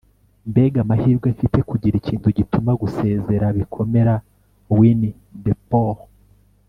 mbega amahirwe mfite kugira ikintu gituma gusezera bikomera - winnie the pooh